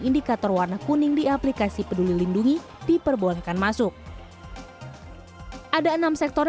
indikator warna kuning di aplikasi peduli lindungi diperbolehkan masuk ada enam sektor